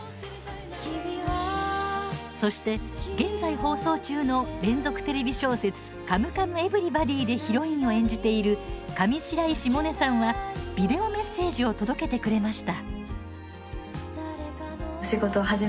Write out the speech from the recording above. そして、現在放送中の連続テレビ小説「カムカムエヴリバディ」でヒロインを演じている上白石萌音さんはビデオメッセージを届けてくれました。